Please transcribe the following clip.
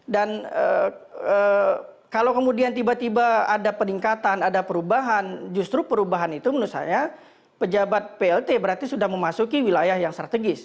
dan kalau kemudian tiba tiba ada peningkatan ada perubahan justru perubahan itu menurut saya pejabat plt berarti sudah memasuki wilayah yang strategis